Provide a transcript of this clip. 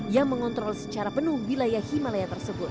yang mengontrol secara penuh wilayah himalaya tersebut